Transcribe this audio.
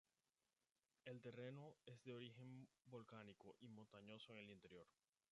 El terreno es de origen volcánico y montañoso en el interior.